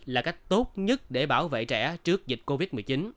là cách tốt nhất để bảo vệ trẻ trước dịch covid một mươi chín